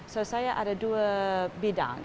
jadi saya ada dua bidang